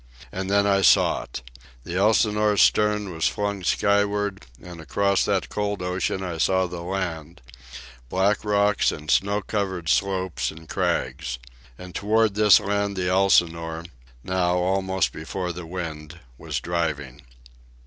And then I saw it! The Elsinore's stern was flung skyward, and across that cold ocean I saw land—black rocks and snow covered slopes and crags. And toward this land the Elsinore, now almost before the wind, was driving.